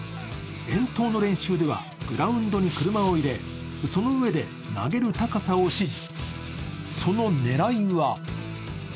遠投の練習ではグラウンドに車を入れ、その上で投げる高さを指示。